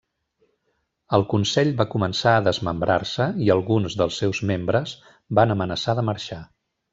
El Consell va començar a desmembrar-se i alguns dels seus membres van amenaçar de marxar.